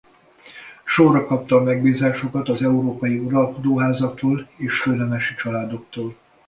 Sorra kapta a megbízásokat az európai uralkodóházaktól és főnemesi családoktól.